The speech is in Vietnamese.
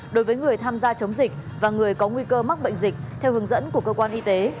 đối với người tham gia chống dịch và người có nguy cơ mắc bệnh dịch theo hướng dẫn của cơ quan y tế